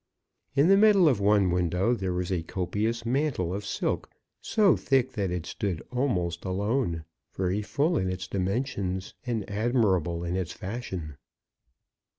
In the middle of one window there was a copious mantle, of silk so thick that it stood almost alone, very full in its dimensions, and admirable in its fashion.